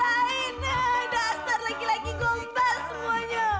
dasar laki laki gombel semuanya